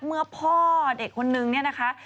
เมื่อพ่อเด็กคนนึงเนี่ยนะคะ